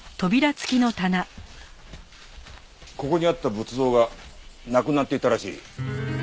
ここにあった仏像がなくなっていたらしい。